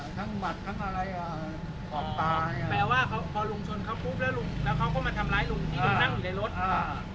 หมัดทั้งอะไรอ่ะออกตายอ่ะแปลว่าเขาพอลุงชนเขาปุ๊บแล้วลุงแล้วเขาก็มาทำร้ายลุงที่ลุงนั่งอยู่ในรถอ่า